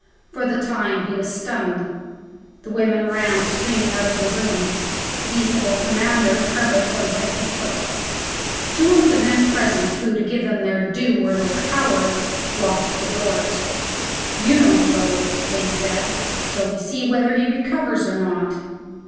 For the time he was stunned. The women ran, screaming, out of the room. The peaceable Commander trembled from head to foot. Two of the men present, who, to give them their due, were no cowards, locked the doors. "You don't go," they said, "till we see whether he recovers or not."